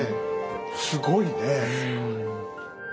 すごいねえ！